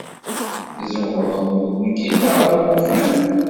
Tzewreḍ deg ugiṭar! Awufan!